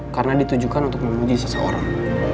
karena ditujukan untuk memuji seseorang